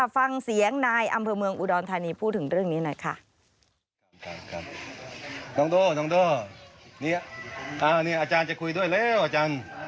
ฟังเสียงนายอำเภอเมืองอุดรธานีพูดถึงเรื่องนี้หน่อยค่ะ